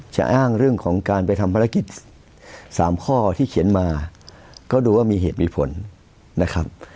จะอ้างเรื่องของการไปทำภารกิจ๓ข้อที่เขียนมาก็ดูว่ามีเหตุมีผลนะครับ